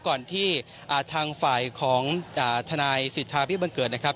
ก่อนที่อ่าทางฝ่ายของอ่าทนายสิทธาพิบันเกิดนะครับ